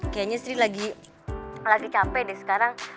kayaknya sri lagi capek deh sekarang